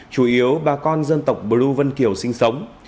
chủ yếu ba con dân tộc blue vân kiều sinh sống